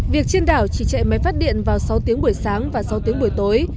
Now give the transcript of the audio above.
việc trên đảo chỉ chạy máy phát điện vào sáu tiếng buổi sáng và sáu tiếng buổi tối